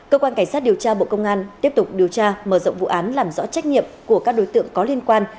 cơ quan cảnh sát điều tra bộ công an tiếp tục điều tra mở rộng vụ án làm rõ trách nhiệm của các đối tượng có liên quan